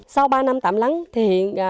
sau ba năm tạm lắng